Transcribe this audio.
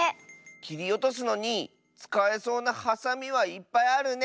きりおとすのにつかえそうなハサミはいっぱいあるね。